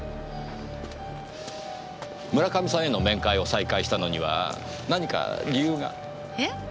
村上さんへの面会を再開したのには何か理由が？えっ？